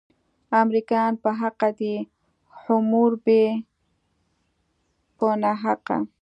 امریکایان په حقه دي، حموربي په ناحقه.